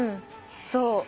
そう。